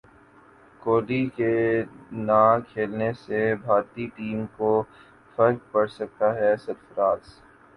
کوہلی کے نہ کھیلنے سے بھارتی ٹیم کو فرق پڑسکتا ہے سرفراز